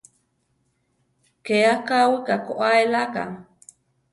Ké akáwika koá eláka.